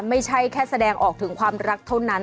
ไม่ใช่แค่แสดงออกถึงความรักเท่านั้น